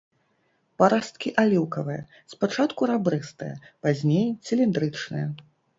Парасткі аліўкавыя, спачатку рабрыстыя, пазней цыліндрычныя.